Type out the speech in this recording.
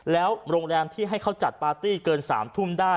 แล้วโรงแรมที่ให้เขาจัดปาร์ตี้เกิน๓ทุ่มได้